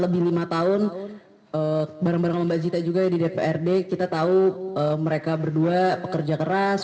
lebih lima tahun bareng bareng sama mbak zita juga di dprd kita tahu mereka berdua pekerja keras